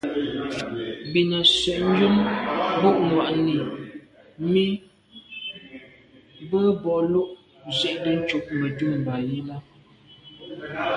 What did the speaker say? Bìn à’ sə̌’ njən mbu’ŋwà’nǐ mì bə̂ bo lô’ nzi’tə ncob Mə̀dʉ̂mbὰ yi lα.